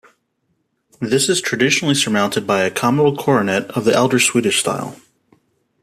This is traditionally surmounted by a comital coronet of the elder Swedish style.